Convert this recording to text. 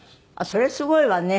それすごいわね。